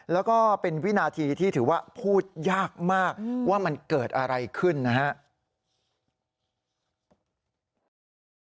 แล้วก็เป็นวินาทีที่ถือว่าพูดยากมากว่ามันเกิดอะไรขึ้นนะครับ